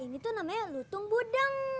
ini tuh namanya lutung budang